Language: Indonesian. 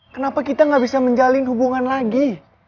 kenapa kita gak bisa menjalin hubungan lagi